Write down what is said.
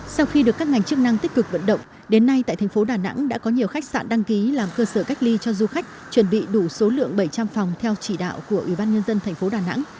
sau khi được các ngành chức năng tích cực vận động đến nay tại thành phố đà nẵng đã có nhiều khách sạn đăng ký làm cơ sở cách ly cho du khách chuẩn bị đủ số lượng bảy trăm linh phòng theo chỉ đạo của ủy ban nhân dân thành phố đà nẵng